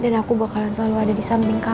dan aku bakalan selalu ada di samping kamu